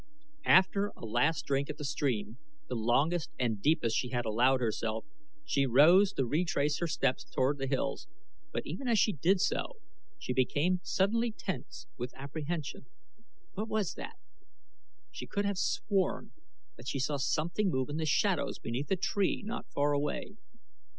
After a last drink at the stream, the longest and deepest she had allowed herself, she rose to retrace her steps toward the hills; but even as she did so she became suddenly tense with apprehension. What was that? She could have sworn that she saw something move in the shadows beneath a tree not far away.